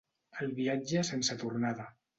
El viatge sense tornada.